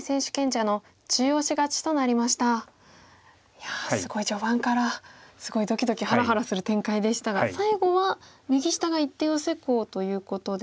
いやすごい序盤からすごいドキドキハラハラする展開でしたが最後は右下が一手ヨセコウということで。